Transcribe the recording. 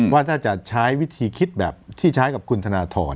ว่าถ้าจะใช้วิธีคิดแบบที่ใช้กับคุณธนทร